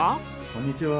こんにちは。